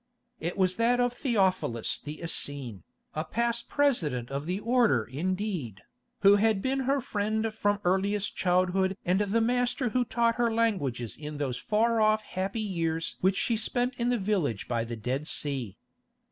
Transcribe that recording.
It was that of Theophilus the Essene, a past president of the order indeed, who had been her friend from earliest childhood and the master who taught her languages in those far off happy years which she spent in the village by the Dead Sea.